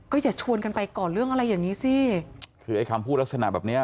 อย่าชวนกันไปก่อเรื่องอะไรอย่างนี้สิคือไอ้คำพูดลักษณะแบบเนี้ย